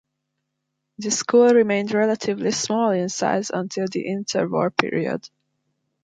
The school remained relatively small in size until the inter-war period.